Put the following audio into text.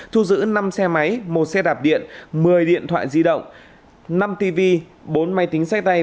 thu giữ năm xe máy một xe đạp điện một mươi điện thoại di động năm tv bốn máy tính sách tay